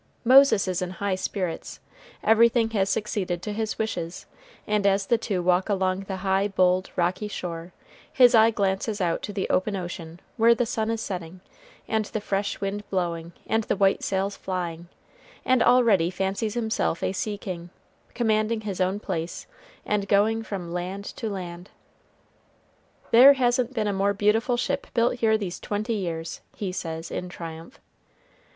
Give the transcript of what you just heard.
Moses is in high spirits; everything has succeeded to his wishes; and as the two walk along the high, bold, rocky shore, his eye glances out to the open ocean, where the sun is setting, and the fresh wind blowing, and the white sails flying, and already fancies himself a sea king, commanding his own place, and going from land to land. "There hasn't been a more beautiful ship built here these twenty years," he says, in triumph.